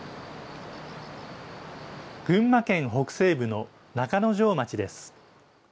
群馬県北西部の中之条町です。